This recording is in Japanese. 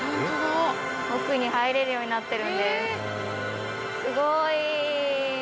奥に入れるようになってるんです。